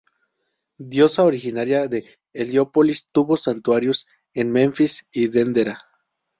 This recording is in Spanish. Diosa originaria de Heliópolis, tuvo santuarios en Menfis y Dendera.